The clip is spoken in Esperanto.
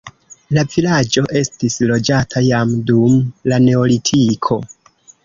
La vilaĝo estis loĝata jam dum la neolitiko.